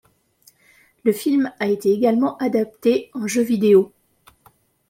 Le film a été également adapté en jeux vidéo.